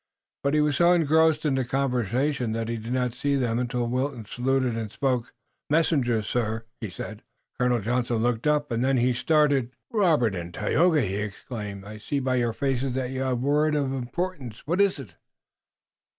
But he was so engrossed in the conversation that he did not see them until Wilton saluted and spoke. "Messengers, sir!" he said. Colonel Johnson looked up, and then he started. "Robert and Tayoga!" he exclaimed. "I see by your faces that you have word of importance! What is it?"